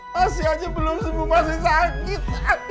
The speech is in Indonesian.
masih aja belum semua masih sakit